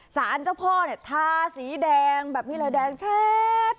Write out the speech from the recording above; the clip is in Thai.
สารเจ้าพ่อเนี่ยทาสีแดงแบบนี้เลยแดงแชท